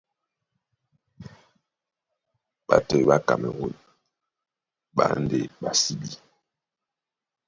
Ɓatoi ɓá Kamerûn ɓá e ndé ɓásíbí.